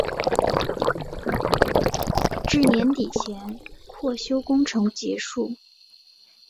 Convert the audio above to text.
至年底前扩修工程结束。